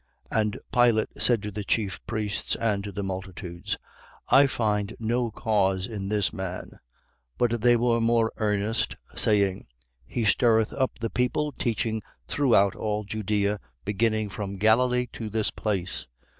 23:4. And Pilate said to the chief priests and to the multitudes: I find no cause in this man. 23:5. But they were more earnest, saying: He stirreth up the people, teaching throughout all Judea, beginning from Galilee to this place.